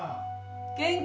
元気？